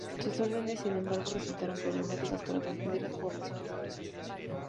Sus órdenes, sin embargo, resultaron problemáticas, por confundir poblaciones diferentes.